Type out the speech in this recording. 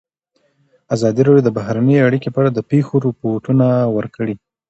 ازادي راډیو د بهرنۍ اړیکې په اړه د پېښو رپوټونه ورکړي.